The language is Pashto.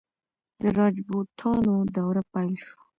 د راجپوتانو دوره پیل شوه.